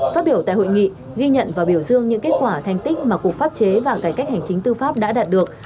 phát biểu tại hội nghị ghi nhận và biểu dương những kết quả thành tích mà cục pháp chế và cải cách hành chính tư pháp đã đạt được